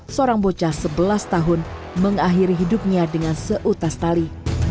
seorang bocah sebelas tahun mengakhiri hidupnya dengan seutas tali